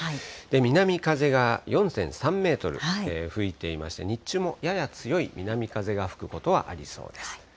南風が４．３メートル吹いていまして、日中もやや強い南風が吹くことはありそうです。